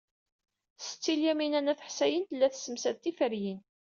Setti Lyamina n At Ḥsayen tella tessemsad tiferyin.